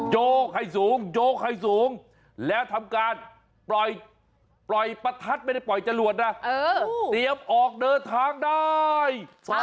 โยกให้สูงโยกให้สูงแล้วทำการปล่อยประทัดไม่ได้ปล่อยจรวดนะเตรียมออกเดินทางได้